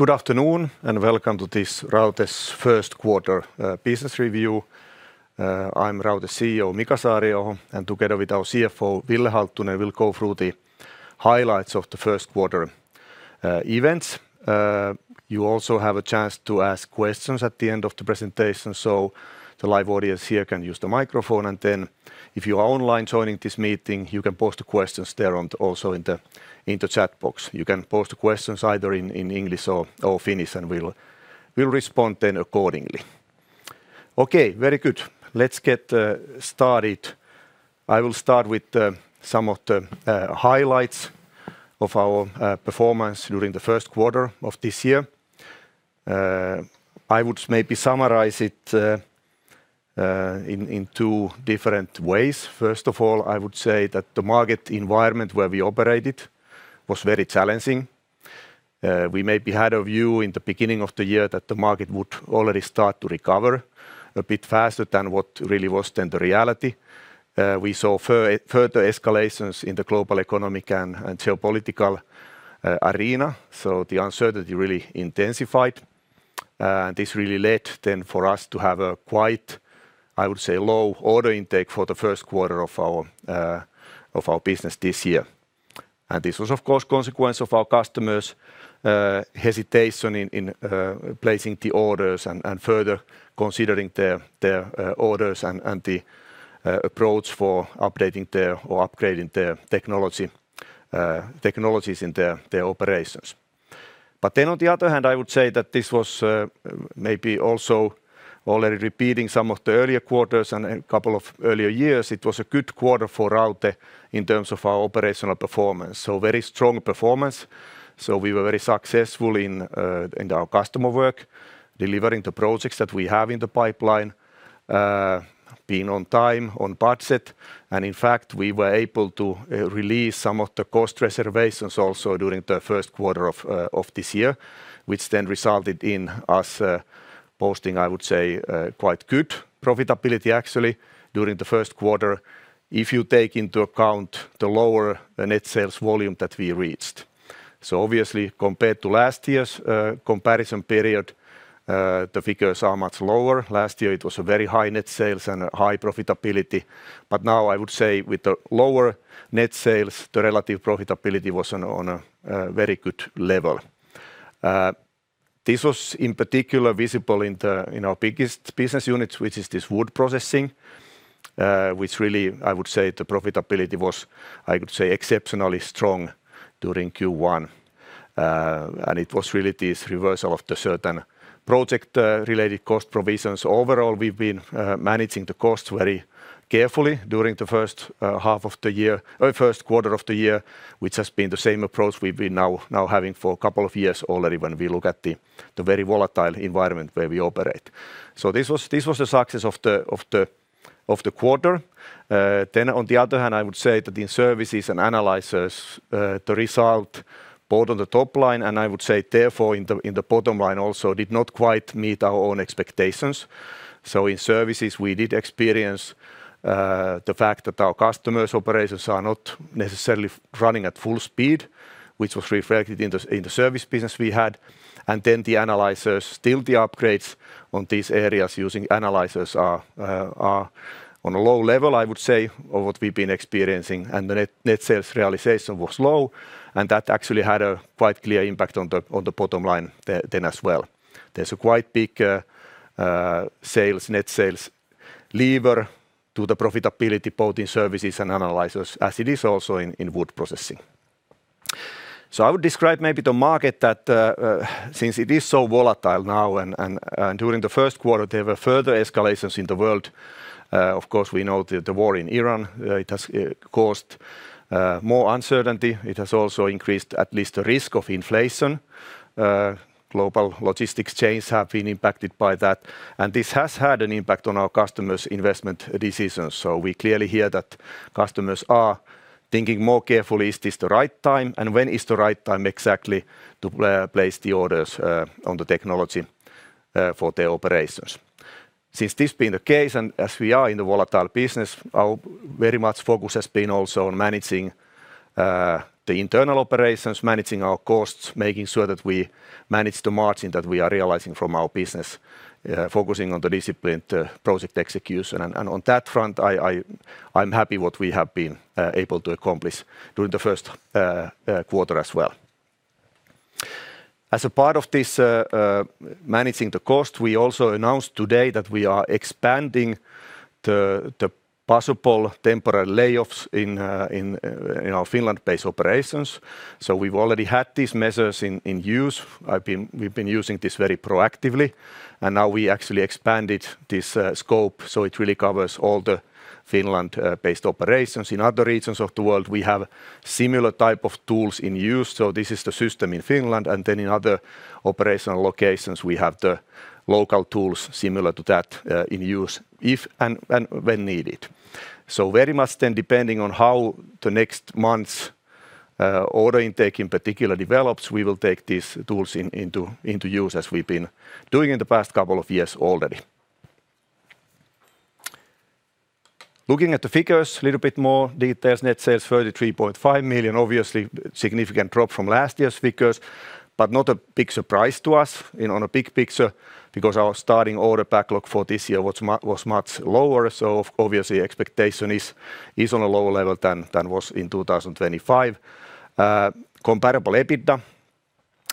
Good afternoon, welcome to this Raute's first quarter business review. I'm Raute CEO Mika Saariaho, and together with our CFO Ville Halttunen, we'll go through the highlights of the first quarter events. You also have a chance to ask questions at the end of the presentation. The live audience here can use the microphone, and then if you are online joining this meeting, you can post the questions there also in the chat box. You can post questions either in English or Finnish, and we'll respond then accordingly. Very good. Let's get started. I will start with some of the highlights of our performance during the first quarter of this year. I would maybe summarize it in two different ways. First of all, I would say that the market environment where we operated was very challenging. We maybe had a view in the beginning of the year that the market would already start to recover a bit faster than what really was then the reality. We saw further escalations in the global economic and geopolitical arena, so the uncertainty really intensified. This really led then for us to have a quite, I would say, low order intake for the first quarter of our business this year. This was, of course, consequence of our customers' hesitation in placing the orders and further considering their orders and the approach for updating their or upgrading their technology, technologies in their operations. On the other hand, I would say that this was maybe also already repeating some of the earlier quarters and a couple of earlier years. It was a good quarter for Raute in terms of our operational performance, so very strong performance. We were very successful in our customer work, delivering the projects that we have in the pipeline, being on time, on budget. In fact, we were able to release some of the cost reservations also during the first quarter of this year, which then resulted in us posting, I would say, quite good profitability actually during the first quarter, if you take into account the lower net sales volume that we reached. Obviously, compared to last year's comparison period, the figures are much lower. Last year, it was a very high net sales and a high profitability. Now I would say with the lower net sales, the relative profitability was on a very good level. This was in particular visible in our biggest business units, which is this wood processing, which really, I would say, the profitability was, I could say, exceptionally strong during Q1. It was really this reversal of the certain project related cost provisions. Overall, we've been managing the costs very carefully during the first half of the year or first quarter of the year, which has been the same approach we've been having for a couple of years already when we look at the very volatile environment where we operate. This was a success of the quarter. On the other hand, I would say that in services and analyzers, the result both on the top line, and I would say therefore in the bottom line also did not quite meet our own expectations. In services, we did experience the fact that our customers' operations are not necessarily running at full speed, which was reflected in the service business we had. The analyzers, still the upgrades on these areas using analyzers are on a low level, I would say, of what we've been experiencing. The net sales realization was low, and that actually had a quite clear impact on the bottom line then as well. There's a quite big sales, net sales lever to the profitability, both in services and analyzers, as it is also in wood processing. I would describe maybe the market that since it is so volatile now and during the first quarter, there were further escalations in the world. Of course, we know the war in Ukraine, it has caused more uncertainty. It has also increased at least the risk of inflation. Global logistics chains have been impacted by that, and this has had an impact on our customers' investment decisions. We clearly hear that customers are thinking more carefully, "Is this the right time? When is the right time exactly to place the orders on the technology for the operations? Since this being the case, as we are in the volatile business, our very much focus has been also on managing the internal operations, managing our costs, making sure that we manage the margin that we are realizing from our business, focusing on the disciplined project execution. On that front, I'm happy what we have been able to accomplish during the first quarter as well. As a part of this managing the cost, we also announced today that we are expanding the possible temporary layoffs in our Finland-based operations. We've already had these measures in use. We've been using this very proactively. Now we actually expanded this scope, so it really covers all the Finland based operations. In other regions of the world, we have similar type of tools in use. This is the system in Finland, then in other operational locations, we have the local tools similar to that in use if and when needed. Very much depending on how the next month's order intake in particular develops, we will take these tools into use as we've been doing in the past couple of years already. Looking at the figures, little bit more details. Net sales 33.5 million. Obviously, significant drop from last year's figures, not a big surprise to us, you know, on a big picture because our starting order backlog for this year was much lower. Obviously, expectation is on a lower level than was in 2025. Comparable EBITDA,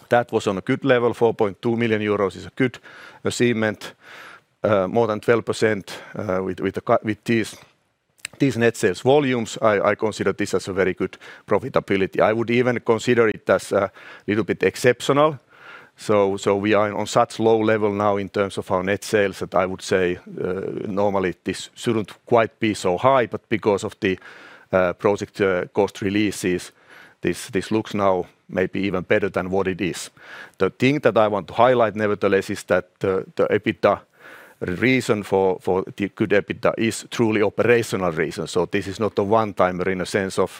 that was on a good level, 4.2 million euros is a good achievement. More than 12% with these net sales volumes. I consider this as a very good profitability. I would even consider it as little bit exceptional. We are on such low level now in terms of our net sales that I would say, normally this shouldn't quite be so high. Because of the project cost releases, this looks now maybe even better than what it is. The thing that I want to highlight nevertheless, is that the EBITDA reason for the good EBITDA is truly operational reasons. This is not a one-timer in a sense of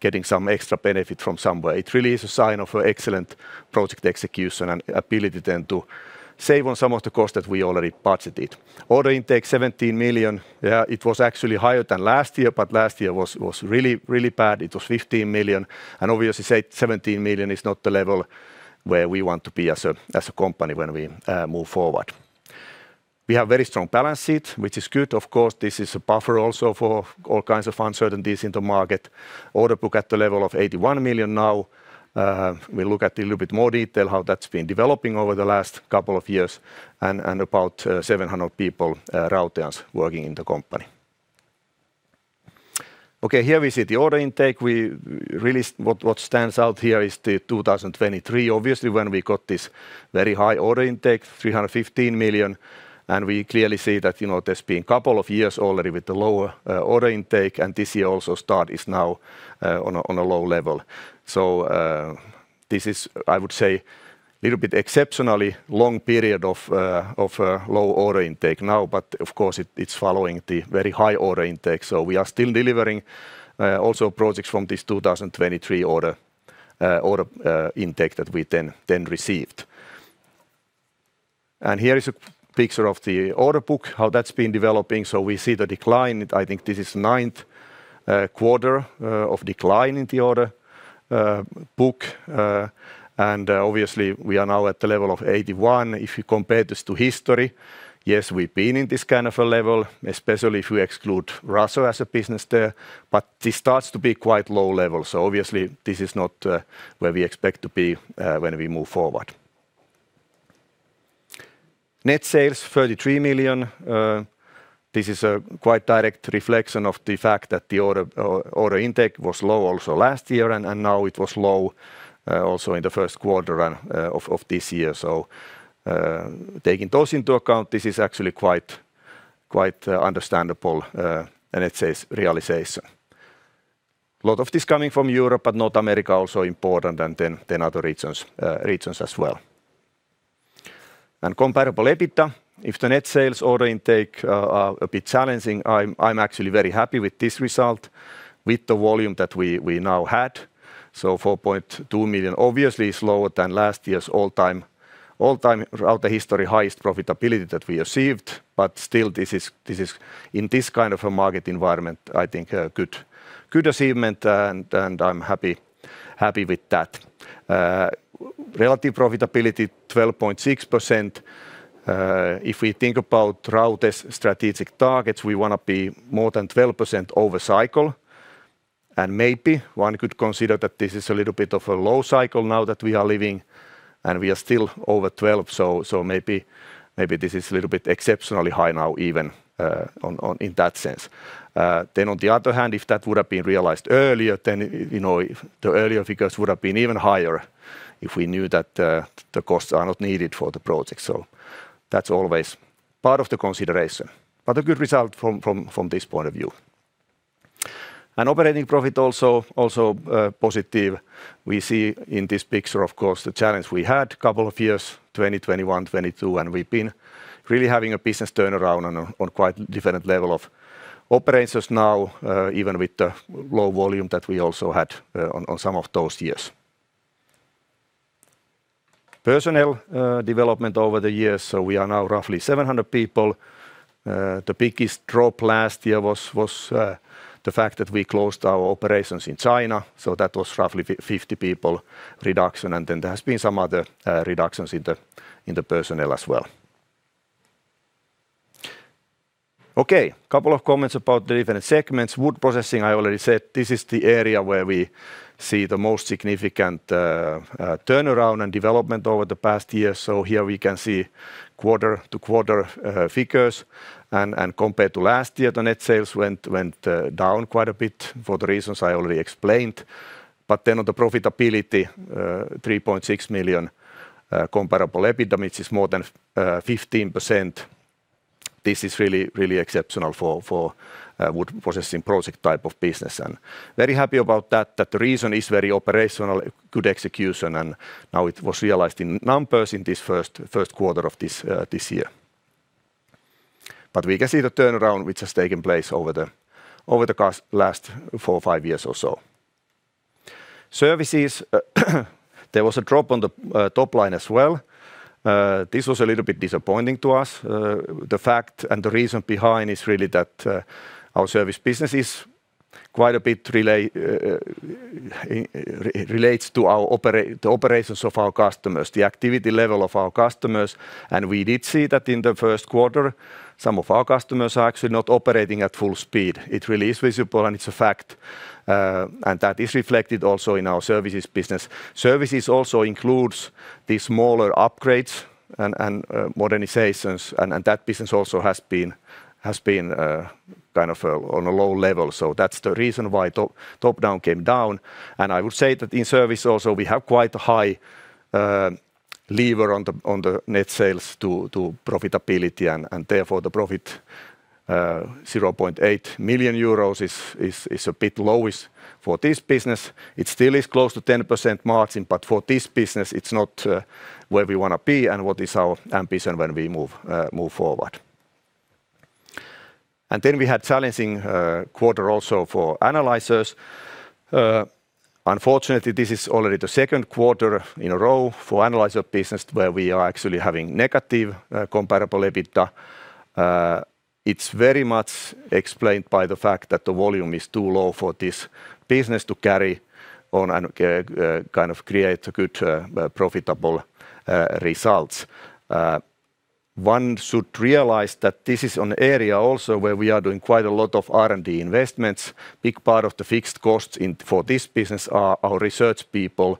getting some extra benefit from somewhere. It really is a sign of an excellent project execution and ability then to save on some of the cost that we already budgeted. Order intake 17 million. It was actually higher than last year, but last year was really, really bad. It was 15 million. Obviously 17 million is not the level where we want to be as a company when we move forward. We have very strong balance sheet, which is good. Of course, this is a buffer also for all kinds of uncertainties in the market. Order book at the level of 81 million now. We look at a little bit more detail how that's been developing over the last couple of years. About 700 people, Rauteans working in the company. Here we see the order intake. Really what stands out here is the 2023, obviously, when we got this very high order intake, 315 million, we clearly see that, you know, there has been couple of years already with the lower order intake, and this year also start is now on a low level. This is, I would say, little bit exceptionally long period of low order intake now, but of course, it is following the very high order intake. We are still delivering also projects from this 2023 order intake that we then received. Here is a picture of the order book, how that has been developing. We see the decline. I think this is 9th quarter of decline in the order book. Obviously, we are now at the level of 81. If you compare this to history, yes, we've been in this kind of a level, especially if you exclude Russia as a business there. This starts to be quite low level. Obviously, this is not where we expect to be when we move forward. Net sales 33 million. This is a quite direct reflection of the fact that the order intake was low also last year, and now it was low also in the first quarter of this year. Taking those into account, this is actually quite understandable, and it's sales realization. A lot of this coming from Europe, but North America also important and then other regions as well. Comparable EBITDA, if the net sales order intake are a bit challenging, I'm actually very happy with this result with the volume that we now had. 4.2 million obviously is lower than last year's all-time Raute history highest profitability that we achieved, but still this is in this kind of a market environment, I think, a good achievement, and I'm happy with that. Relative profitability 12.6%. If we think about Raute's strategic targets, we want to be more than 12% over cycle. Maybe one could consider that this is a little bit of a low cycle now that we are leaving, and we are still over 12%. Maybe this is a little bit exceptionally high now even, on in that sense. On the other hand, if that would have been realized earlier, then, you know, if the earlier figures would have been even higher, if we knew that the costs are not needed for the project. That's always part of the consideration. A good result from this point of view. Operating profit also positive. We see in this picture, of course, the challenge we had two years, 2021, 2022, and we've been really having a business turnaround on a quite different level of operations now, even with the low volume that we also had on some of those years. Personnel development over the years. We are now roughly 700 people. The biggest drop last year was the fact that we closed our operations in China, that was roughly 50 people reduction. There has been some other reductions in the personnel as well. Couple of comments about the different segments. Wood processing, I already said, this is the area where we see the most significant turnaround and development over the past year. Here we can see quarter-to-quarter figures. Compared to last year, the net sales went down quite a bit for the reasons I already explained. On the profitability, 3.6 million comparable EBITDA, which is more than 15%. This is really exceptional for wood processing project type of business. Very happy about that the reason is very operational, good execution, now it was realized in numbers in this first quarter of this year. We can see the turnaround which has taken place over the course last four, five years or so. Services, there was a drop on the top line as well. This was a little bit disappointing to us. The fact and the reason behind is really that our service business is quite a bit relates to the operations of our customers, the activity level of our customers. We did see that in the first quarter, some of our customers are actually not operating at full speed. It really is visible, and it's a fact. That is reflected also in our services business. Services also includes the smaller upgrades and modernizations, and that business also has been on a low level. That's the reason why top down came down. I would say that in service also, we have quite a high lever on the net sales to profitability and therefore the profit, 0.8 million euros, is a bit lowish for this business. It still is close to 10% margin, but for this business it's not where we want to be and what is our ambition when we move forward. Then we had challenging quarter also for analyzers. Unfortunately, this is already the second quarter in a row for analyzer business where we are actually having negative comparable EBITDA. It's very much explained by the fact that the volume is too low for this business to carry on and kind of create a good, profitable results. One should realize that this is an area also where we are doing quite a lot of R&D investments. Big part of the fixed costs for this business are our research people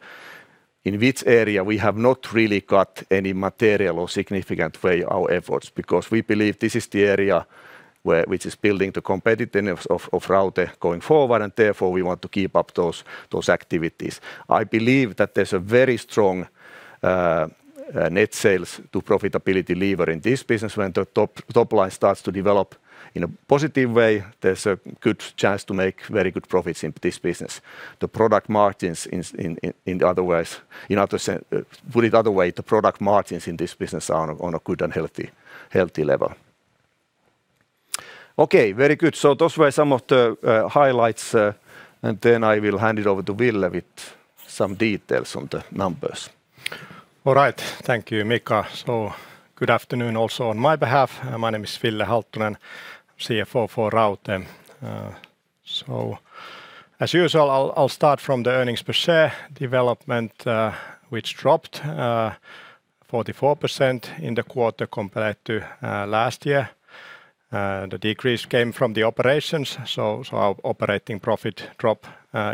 in which area we have not really cut any material or significant way our efforts, because we believe this is the area which is building the competitiveness of Raute going forward, and therefore we want to keep up those activities. I believe that there's a very strong net sales to profitability lever in this business when the top line starts to develop in a positive way, there's a good chance to make very good profits in this business. The product margins in other words, put it other way, the product margins in this business are on a good and healthy level. Okay, very good. Those were some of the highlights, and then I will hand it over to Ville with some details on the numbers. All right. Thank you, Mika. Good afternoon also on my behalf. My name is Ville Halttunen, CFO for Raute. As usual I'll start from the earnings per share development, which dropped 44% in the quarter compared to last year. The decrease came from the operations, so our operating profit drop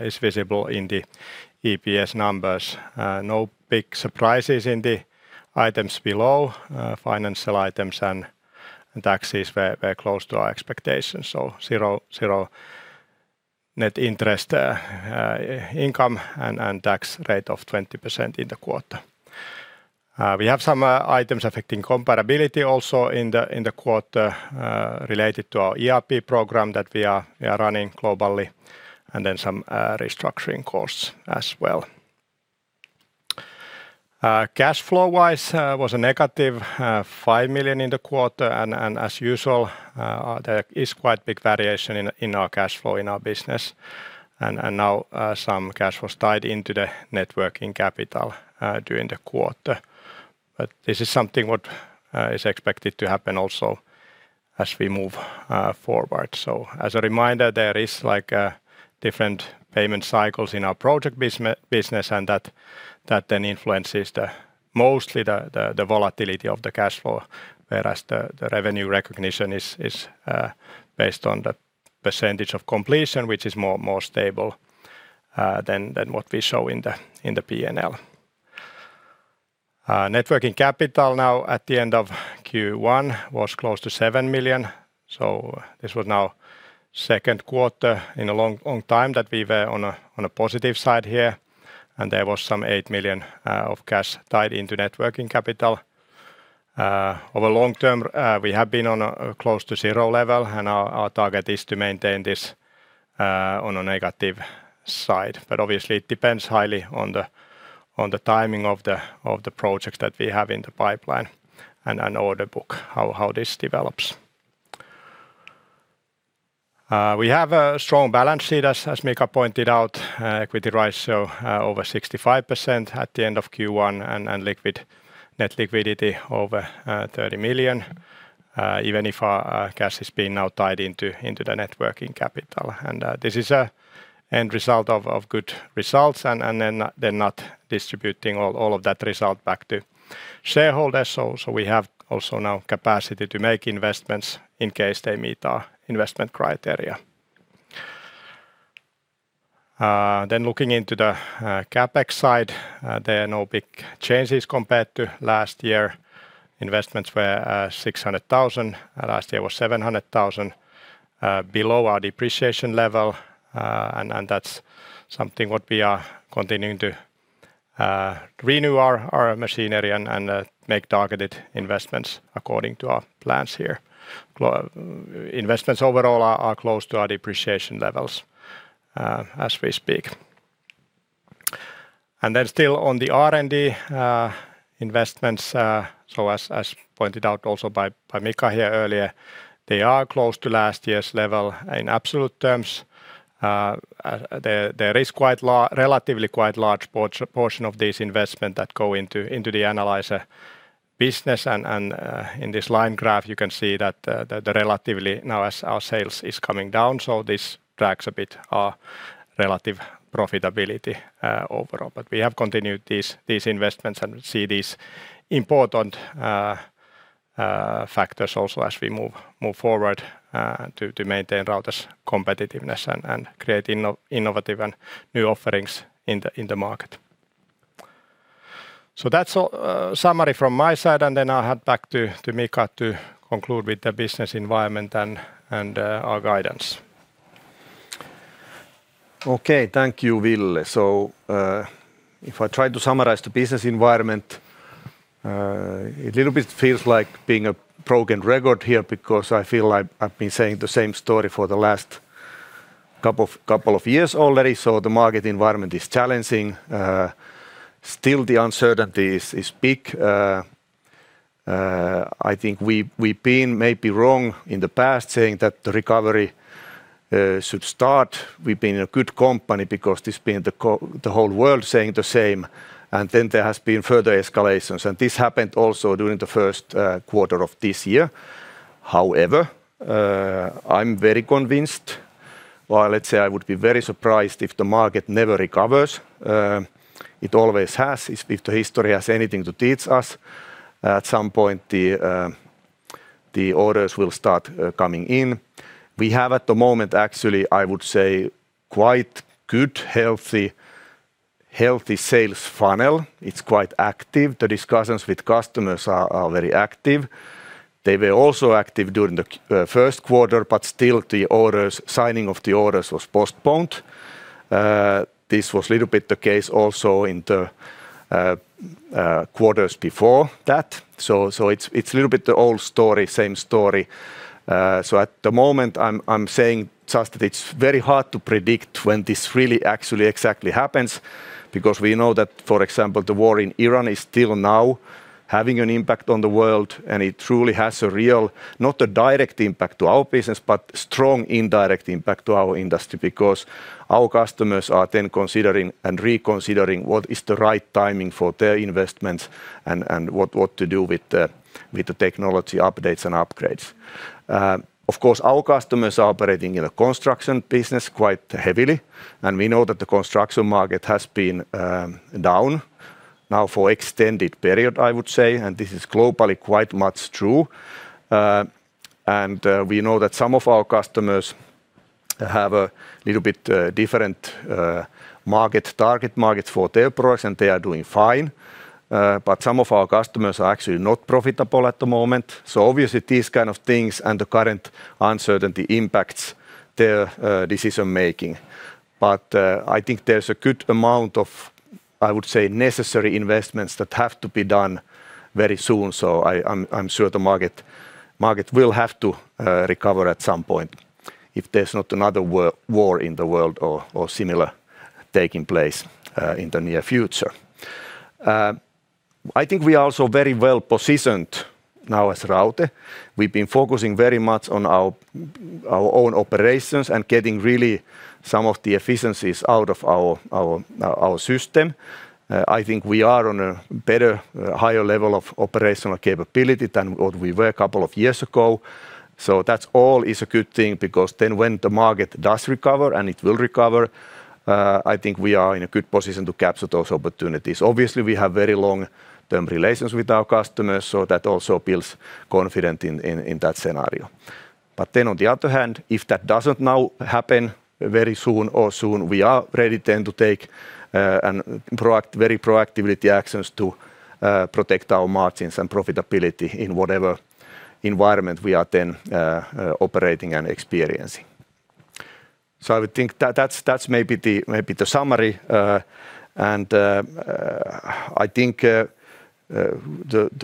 is visible in the EPS numbers. No big surprises in the items below, financial items and taxes were close to our expectations, zero net interest income and tax rate of 20% in the quarter. We have some items affecting comparability also in the quarter, related to our ERP program that we are running globally, some restructuring costs as well. Cash flow-wise, was a -5 million in the quarter. As usual, there is quite big variation in our cash flow in our business. Now, some cash was tied into the net working capital during the quarter. This is something what is expected to happen also as we move forward. As a reminder, there is like different payment cycles in our project business. That then influences the mostly the volatility of the cash flow. The revenue recognition is based on the percentage of completion, which is more stable than what we show in the P&L. Net working capital now at the end of Q1 was close to 7 million, so this was now second quarter in a long, long time that we were on a, on a positive side here, and there was some 8 million of cash tied into net working capital. Over long-term, we have been on a close to zero level and our target is to maintain this on a negative side. Obviously it depends highly on the, on the timing of the, of the projects that we have in the pipeline and an order book, how this develops. We have a strong balance sheet as Mika pointed out. Equity ratio over 65% at the end of Q1, and net liquidity over 30 million, even if our cash is being now tied into the net working capital. This is a end result of good results and not distributing all of that result back to shareholders. We have also now capacity to make investments in case they meet our investment criteria. Looking into the CapEx side, there are no big changes compared to last year. Investments were 600,000. Last year was 700,000. Below our depreciation level, and that's something what we are continuing to renew our machinery and make targeted investments according to our plans here. Investments overall are close to our depreciation levels as we speak. Still on the R&D investments, so as pointed out also by Mika here earlier, they are close to last year's level. In absolute terms, there is relatively quite large portion of this investment that go into the analyzer business and, in this line graph, you can see that the relatively now as our sales is coming down, so this drags a bit our relative profitability overall. We have continued these investments, and we see these important factors also as we move forward, to maintain Raute's competitiveness and create innovative and new offerings in the market. That's all, summary from my side, and then I'll hand back to Mika to conclude with the business environment and our guidance. Thank you, Ville. If I try to summarize the business environment, it little bit feels like being a broken record here because I feel I've been saying the same story for the last couple of years already. The market environment is challenging. Still the uncertainty is big. I think we've been maybe wrong in the past saying that the recovery should start. We've been a good company because this been the whole world saying the same, and then there has been further escalations, and this happened also during the first quarter of this year. However, I'm very convinced or let's say I would be very surprised if the market never recovers. It always has. If the history has anything to teach us, at some point the orders will start coming in. We have at the moment actually I would say quite good, healthy sales funnel. It's quite active. The discussions with customers are very active. They were also active during the first quarter, still the orders, signing of the orders was postponed. This was little bit the case also in the quarters before that. It's little bit the old story, same story. At the moment I'm saying just that it's very hard to predict when this really actually exactly happens because we know that, for example, the war in Ukraine is still now having an impact on the world, and it truly has a real, not a direct impact to our business, but strong indirect impact to our industry because our customers are then considering and reconsidering what is the right timing for their investments and what to do with the technology updates and upgrades. Of course our customers are operating in a construction business quite heavily, and we know that the construction market has been down now for extended period I would say, and this is globally quite much true. We know that some of our customers have a little bit different target markets for their products, and they are doing fine. Some of our customers are actually not profitable at the moment. Obviously these kind of things and the current uncertainty impacts their decision-making. I think there's a good amount of, I would say, necessary investments that have to be done very soon. I'm, I'm sure the market will have to recover at some point if there's not another war in the world or similar taking place in the near future. I think we are also very well positioned now as Raute. We've been focusing very much on our own operations and getting really some of the efficiencies out of our system. I think we are on a better, higher level of operational capability than what we were a couple of years ago. That's all is a good thing because then when the market does recover, and it will recover, I think we are in a good position to capture those opportunities. Obviously we have very long-term relations with our customers, that also builds confidence in that scenario. On the other hand, if that doesn't now happen very soon or soon, we are ready then to take very proactively actions to protect our margins and profitability in whatever environment we are then operating and experiencing. I would think that's maybe the summary. I think,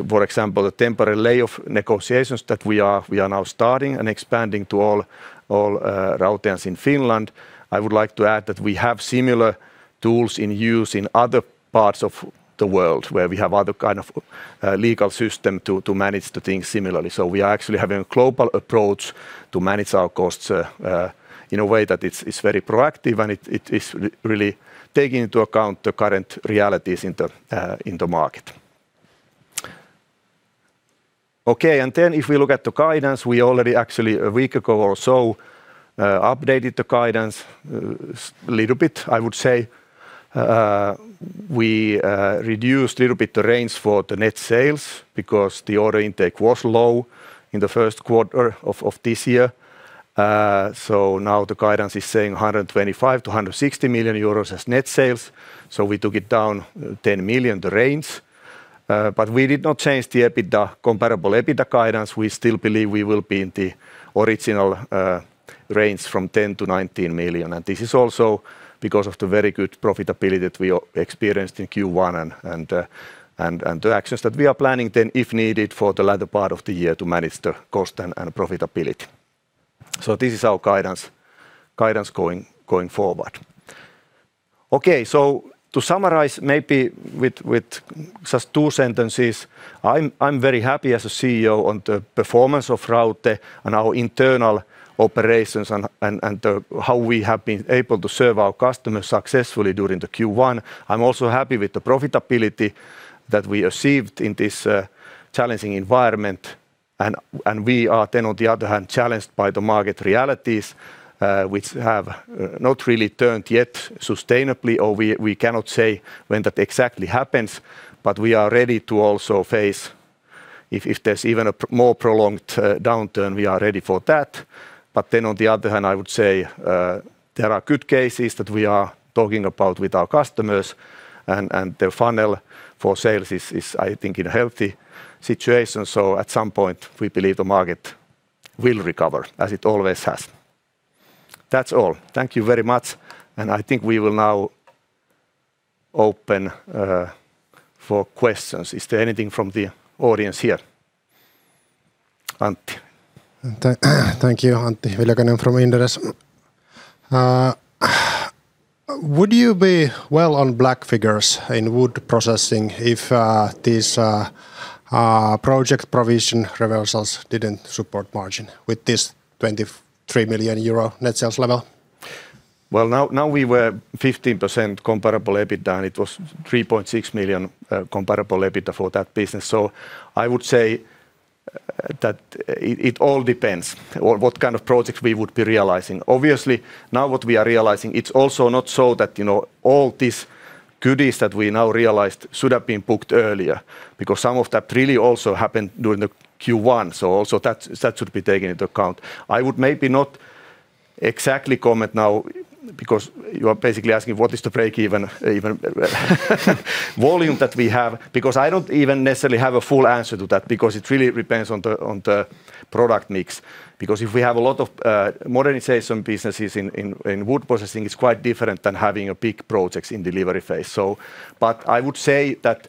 for example, the temporary layoff negotiations that we are now starting and expanding to all Rautians in Finland, I would like to add that we have similar tools in use in other parts of the world where we have other kind of legal system to manage the things similarly. We are actually having a global approach to manage our costs in a way that it's very proactive and it is really taking into account the current realities in the market. Okay. If we look at the guidance, we already actually a week ago or so, updated the guidance a little bit I would say. We reduced a little bit the range for the net sales because the order intake was low in the first quarter of this year. Now the guidance is saying 125 million-160 million euros as net sales. We took it down 10 million, the range. We did not change the EBITDA, comparable EBITDA guidance. We still believe we will be in the original range from 10 million-19 million, and this is also because of the very good profitability that we experienced in Q1 and the actions that we are planning then if needed for the latter part of the year to manage the cost and profitability. This is our guidance going forward. To summarize maybe with just two sentences, I'm very happy as a CEO on the performance of Raute and our internal operations and how we have been able to serve our customers successfully during the Q1. I'm also happy with the profitability that we achieved in this challenging environment. We are then, on the other hand, challenged by the market realities, which have not really turned yet sustainably or we cannot say when that exactly happens. We are ready to also face if there's even a more prolonged downturn, we are ready for that. Then, on the other hand, I would say, there are good cases that we are talking about with our customers and the funnel for sales is, I think, in a healthy situation. At some point, we believe the market will recover as it always has. That's all. Thank you very much. I think we will now open for questions. Is there anything from the audience here? Antti? Thank you. Antti Viljakainen from Inderes. Would you be well on black figures in wood processing if these project provision reversals didn't support margin with this 23 million euro net sales level? Well, now we were 15% comparable EBITDA, and it was 3.6 million comparable EBITDA for that business. I would say that it all depends on what kind of projects we would be realizing. Obviously, now what we are realizing, it's also not so that, you know, all these goodies that we now realized should have been booked earlier because some of that really also happened during the Q1. Also that should be taken into account. I would maybe not exactly comment now because you are basically asking what is the break even volume that we have, because I don't even necessarily have a full answer to that because it really depends on the product mix. If we have a lot of modernization businesses in wood processing, it's quite different than having big projects in delivery phase. I would say that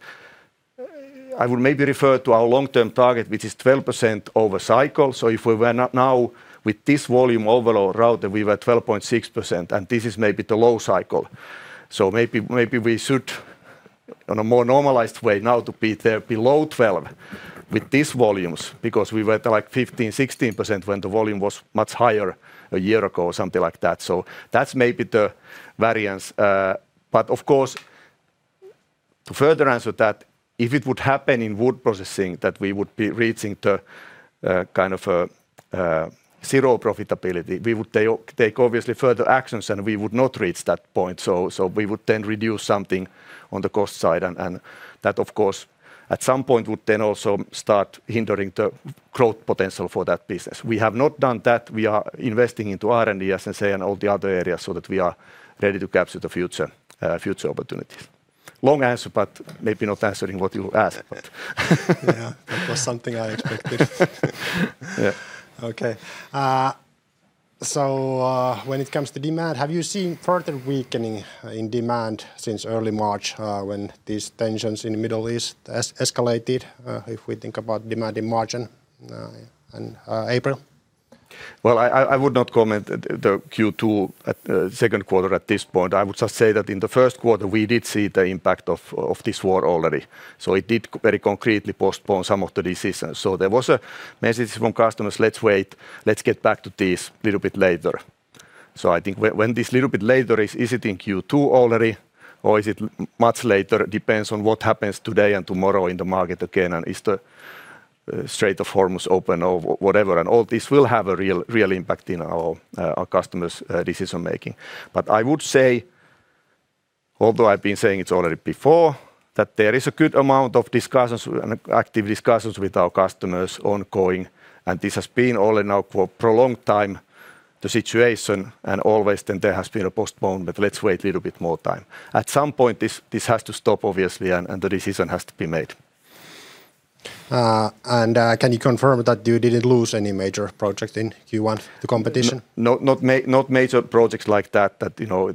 I would maybe refer to our long-term target, which is 12% over cycle. If we were now with this volume overall Raute that we were at 12.6%, and this is maybe the low cycle. Maybe we should on a more normalized way now to be there below 12% with these volumes because we were at, like, 15%-16% when the volume was much higher a year ago or something like that. That's maybe the variance. Of course, to further answer that, if it would happen in wood processing that we would be reaching to, kind of a zero profitability, we would take obviously further actions, and we would not reach that point. We would then reduce something on the cost side. That, of course, at some point would then also start hindering the growth potential for that business. We have not done that. We are investing into R&D, SGA, and all the other areas so that we are ready to capture the future opportunity. Long answer. Maybe not answering what you asked. Yeah, that was something I expected. Yeah. Okay. When it comes to demand, have you seen further weakening in demand since early March, when these tensions in the Middle East escalated, if we think about demand in March and April? Well, I would not comment the Q2 at second quarter at this point. I would just say that in the first quarter, we did see the impact of this war already, it did very concretely postpone some of the decisions. There was a message from customers, "Let's wait. Let's get back to this a little bit later." I think when this little bit later is it in Q2 already, or is it much later? Depends on what happens today and tomorrow in the market again. Is the Strait of Hormuz open or whatever, and all this will have a real impact in our customers' decision-making. I would say, although I've been saying it already before, that there is a good amount of discussions and active discussions with our customers ongoing, and this has been already now for a prolonged time the situation. Always then there has been a postponement, let's wait a little bit more time. At some point, this has to stop obviously, and the decision has to be made. Can you confirm that you didn't lose any major project in Q1 to competition? Not major projects like that, you know,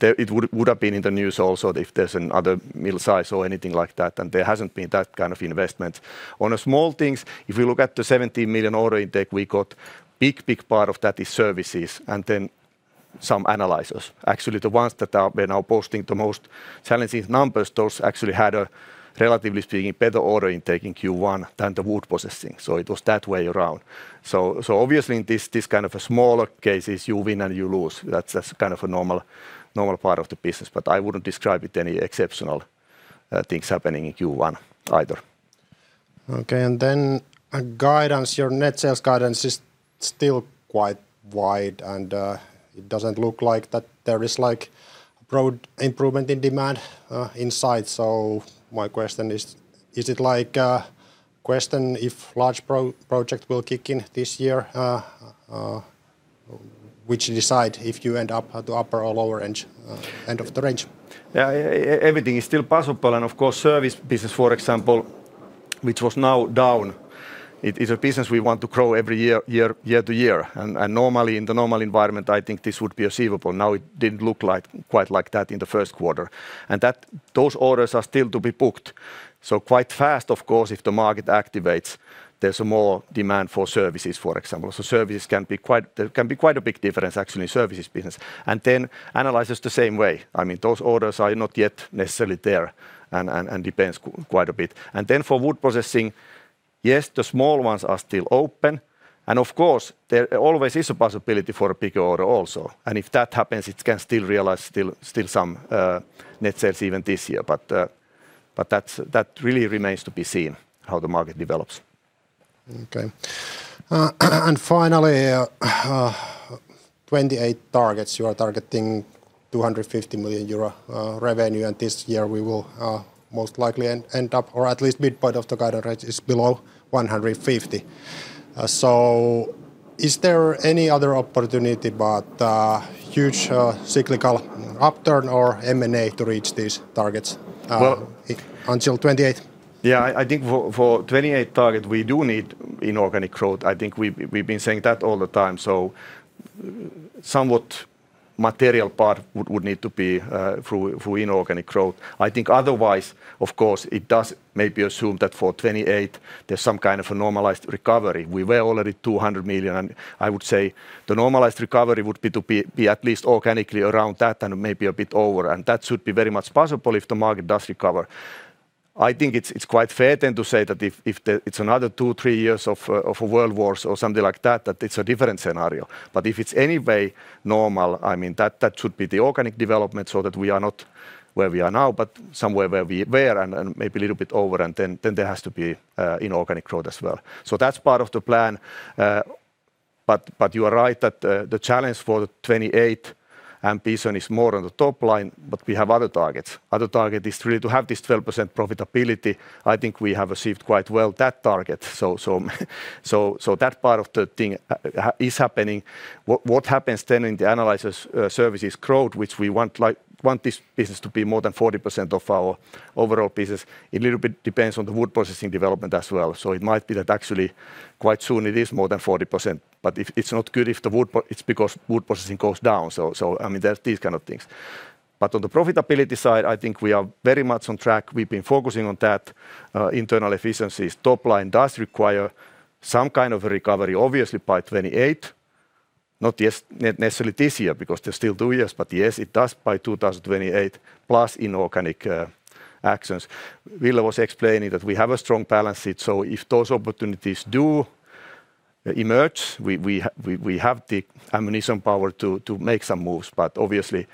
it would have been in the news also if there's another mill-size or anything like that, and there hasn't been that kind of investment. On small things, if you look at the 17 million order intake we got, big part of that is services and then some analyzers. Actually, the ones that are, they're now posting the most challenging numbers. Those actually had a, relatively speaking, better order intake in Q1 than the wood processing, so it was that way around. Obviously in this kind of smaller cases, you win and you lose. That's kind of a normal part of the business. I wouldn't describe it any exceptional things happening in Q1 either. Okay. Guidance. Your net sales guidance is still quite wide, and it doesn't look like that there is, like, broad improvement in demand in sight. My question is it, like, a question if large project will kick in this year, which decide if you end up at the upper or lower range, end of the range? Yeah, everything is still possible. Of course, service business, for example, which was now down. It is a business we want to grow every year-to-year. Normally, in the normal environment, I think this would be achievable. Now, it didn't look quite like that in the first quarter. Those orders are still to be booked. Quite fast of course, if the market activates, there's more demand for services, for example. There can be quite a big difference actually, services business. Analyzers the same way. I mean, those orders are not yet necessarily there, and depends quite a bit. For wood processing, yes, the small ones are still open. Of course, there always is a possibility for a bigger order also. If that happens, it can still realize some net sales even this year. That really remains to be seen how the market develops. Okay. Finally, 2028 targets. You are targeting 250 million euro revenue. This year we will most likely end up, or at least midpoint of the guide range is below 150 million. Is there any other opportunity but huge cyclical upturn or M&A to reach these targets? Well- until 2028? Yeah, I think for 2028 target, we do need inorganic growth. I think we've been saying that all the time. Somewhat material part would need to be through inorganic growth. Otherwise, of course, it does maybe assume that for 2028 there's some kind of a normalized recovery. We were already 200 million, and I would say the normalized recovery would be to be at least organically around that, and maybe a bit over. That should be very much possible if the market does recover. I think it's quite fair then to say that if it's another two, three years of world wars or something like that it's a different scenario. If it's any way normal, I mean, that should be the organic development so that we are not where we are now, but somewhere where we were and maybe a little bit over. Then there has to be inorganic growth as well. That's part of the plan. But you are right that the challenge for the 2028 ambition is more on the top line, but we have other targets. Other target is really to have this 12% profitability. I think we have achieved quite well that target. So that part of the thing is happening. What happens then in the analyzers services growth, which we want this business to be more than 40% of our overall business, a little bit depends on the wood processing development as well. It might be that actually quite soon it is more than 40%. If it's not good, it's because wood processing goes down. I mean, there's these kind of things. On the profitability side, I think we are very much on track. We've been focusing on that, internal efficiencies. Top line does require some kind of a recovery, obviously by 2028. Not necessarily this year, because there's still two years. Yes, it does by 2028, plus inorganic actions. Ville was explaining that we have a strong balance sheet, so if those opportunities do emerge, we have the ammunition power to make some moves. Obviously,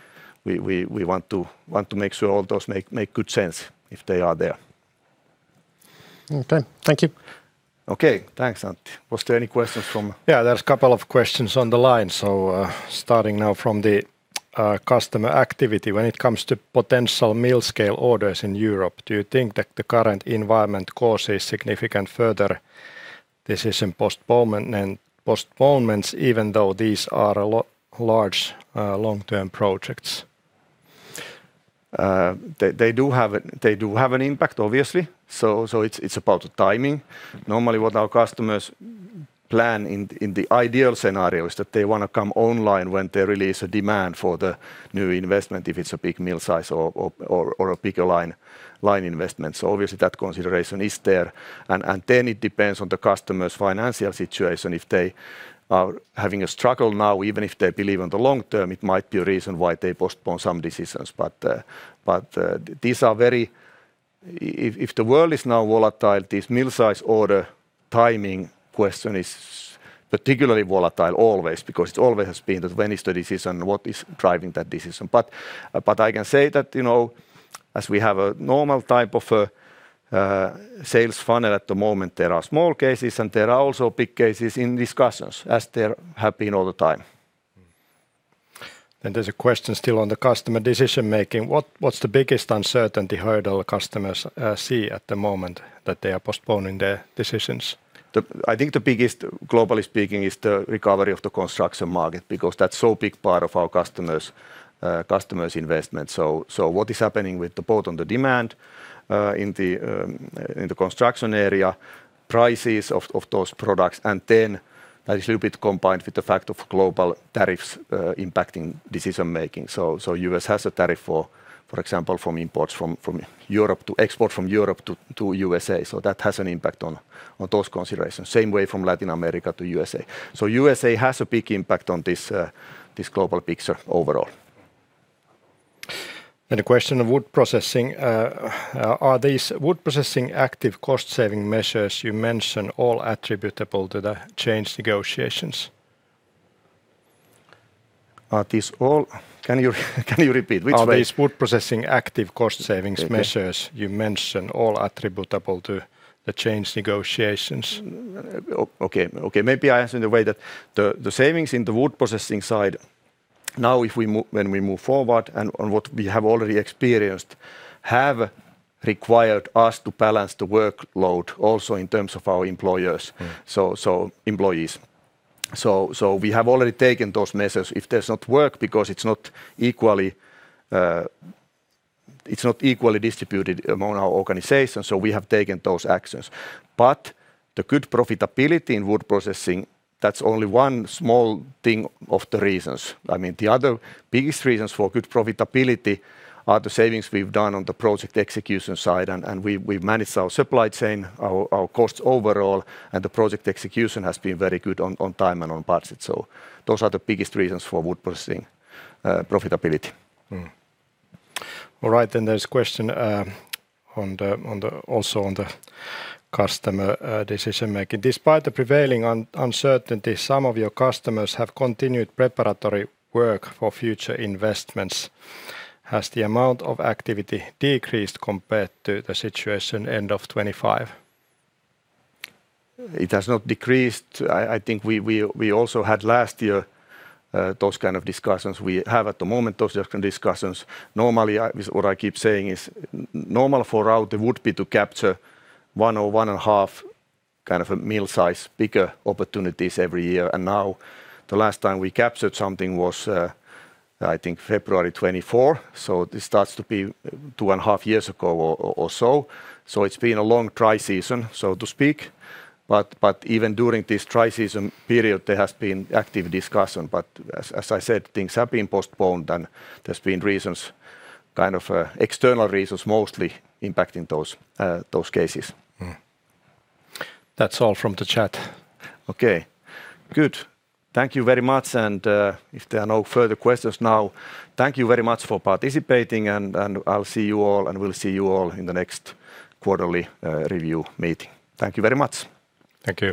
we want to make sure all those make good sense if they are there. Okay. Thank you. Okay. Thanks, Antti. Was there any questions from-? Yeah, there's a couple of questions on the line. Starting now from the customer activity. When it comes to potential mill-scale orders in Europe, do you think that the current environment causes significant further decision postponements, even though these are large, long-term projects? They do have an impact, obviously. It's about the timing. Normally, what our customers plan in the ideal scenario is that they wanna come online when they release a demand for the new investment, if it's a big mill-size or a bigger line investment. Obviously that consideration is there. Then it depends on the customer's financial situation. If they are having a struggle now, even if they believe in the long-term, it might be a reason why they postpone some decisions. These are very if the world is now volatile, this mill-size order timing question is particularly volatile always, because it always has been that when is the decision, what is driving that decision? I can say that, you know, as we have a normal type of a sales funnel at the moment, there are small cases and there are also big cases in discussions, as there have been all the time. There's a question still on the customer decision-making. What's the biggest uncertainty hurdle customers see at the moment that they are postponing their decisions? I think the biggest, globally speaking, is the recovery of the construction market, because that's so big part of our customers' investment. What is happening with the both on the demand in the construction area, prices of those products, and then a little bit combined with the fact of global tariffs impacting decision-making. U.S. has a tariff for example, from imports from Europe to export from Europe to USA. That has an impact on those considerations. Same way from Latin America to USA. USA has a big impact on this global picture overall. A question of wood processing. Are these wood processing active cost saving measures you mentioned all attributable to the change negotiations? Are these all? Can you repeat? Are these wood processing active cost savings measures? Okay you mentioned all attributable to the change negotiations? Okay, okay. Maybe I answer in a way that the savings in the wood processing side, now if we when we move forward and on what we have already experienced, have required us to balance the workload also in terms of our employees. We have already taken those measures. If does not work because it's not equally, it's not equally distributed among our organization, we have taken those actions. The good profitability in wood processing, that's only one small thing of the reasons. I mean, the other biggest reasons for good profitability are the savings we've done on the project execution side, and we manage our supply chain, our costs overall, and the project execution has been very good on time and on budget. Those are the biggest reasons for wood processing profitability. All right, there's question on the also on the customer decision-making. Despite the prevailing uncertainty, some of your customers have continued preparatory work for future investments. Has the amount of activity decreased compared to the situation end of 2025? It has not decreased. I think we also had last year those kind of discussions. We have at the moment those kind of discussions. Normally, what I keep saying is normal for Raute would be to capture one or one and a half kind of a mill-size, bigger opportunities every year. The last time we captured something was, I think February 2024, so this starts to be two and a half years ago or so. It's been a long dry season, so to speak, but even during this dry season period, there has been active discussion. As I said, things have been postponed and there's been reasons, kind of, external reasons mostly impacting those cases. That's all from the chat. Okay. Good. Thank you very much. If there are no further questions now, thank you very much for participating, and I'll see you all, and we'll see you all in the next quarterly review meeting. Thank you very much. Thank you